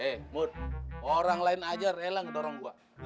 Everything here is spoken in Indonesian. eh mood orang lain aja rela ngedorong gue